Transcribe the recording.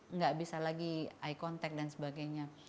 nggak bisa lagi eye contact dan sebagainya